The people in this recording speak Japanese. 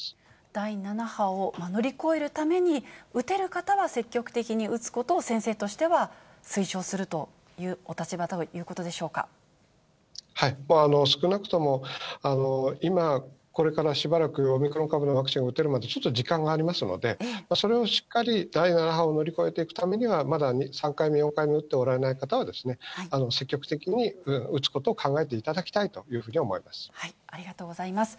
第７波を乗り越えるために、打てる方は積極的に打つことを先生としては、推奨するというお立少なくとも今、これからしばらく、オミクロン株のワクチンを打てるまで、ちょっと時間がありますので、それをしっかり第７波を乗り越えていくためには、まだ３回目、４回目打っておられない方は、積極的に打つことを考えていただありがとうございます。